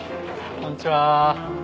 こんにちは。